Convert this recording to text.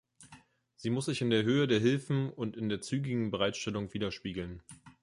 Sie muss sich in der Höhe der Hilfen und in der zügigen Bereitstellung widerspiegeln.